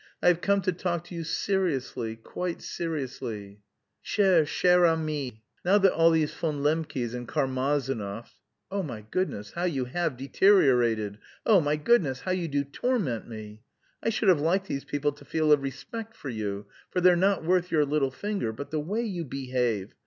I have come to talk to you seriously, quite seriously." "Chère, chère amie!" "Now that all these Von Lembkes and Karmazinovs.... Oh, my goodness, how you have deteriorated!... Oh, my goodness, how you do torment me!... I should have liked these people to feel a respect for you, for they're not worth your little finger but the way you behave!...